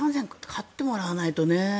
勝ってもらわないとね。